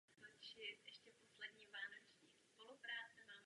Jsou vytrvalé a dlouho kvetou a jsou proto vysazovány do ochranných pásů zeleně.